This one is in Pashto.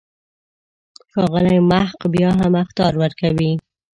ښاغلی محق بیا هم اخطار ورکوي.